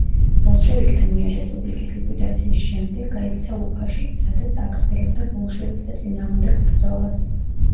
ბოლშევიკთა მიერ რესპუბლიკის ლიკვიდაციის შემდეგ გაიქცა უფაში, სადაც აგრძელებდა ბოლშევიკთა წინააღმდეგ ბრძოლას.